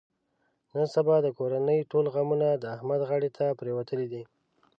نن سبا د کورنۍ ټول غمونه د احمد غاړې ته پرېوتلي دي.